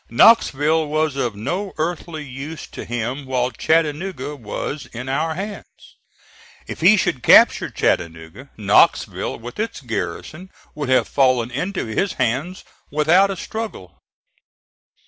Knoxville was of no earthly use to him while Chattanooga was in our hands. If he should capture Chattanooga, Knoxville with its garrison would have fallen into his hands without a struggle.